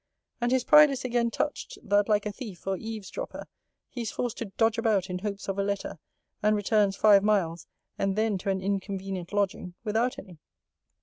And his pride is again touched, that like a thief, or eves dropper, he is forced to dodge about in hopes of a letter, and returns five miles (and then to an inconvenient lodging) without any.